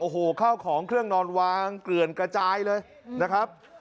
โอ้โหข้าวของเครื่องนอนวางเกลือนกระจายเลยนะครับ